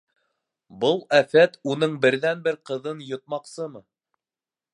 Был афәт уның берҙән-бер ҡыҙын йотмаҡсымы?